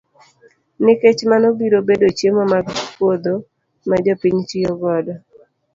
Nikech mano biro bedo chiemo mag puodho ma jopiny tiyo godo.